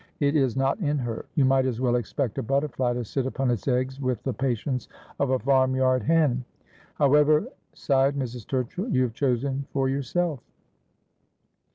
It is not in her. You might as well expect a butterfly to sit upon its eggs with the patience of a farm yard hen. However,' sighed Mrs. Turchill, 'you have chosen for yourself.'